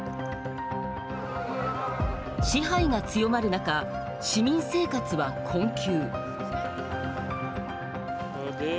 支配が強まる中、市民生活は困窮。